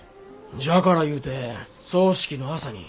じゃからいうて葬式の朝に。